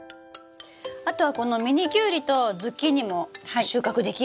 あとはこのミニキュウリとズッキーニも収穫できるかなと。